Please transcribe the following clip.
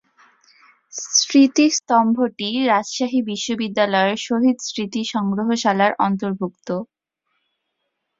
স্মৃতিস্তম্ভটি রাজশাহী বিশ্ববিদ্যালয়ের শহীদ স্মৃতি সংগ্রহশালার অন্তর্ভুক্ত।